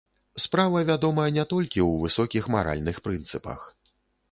Справа, вядома, не толькі ў высокіх маральных прынцыпах.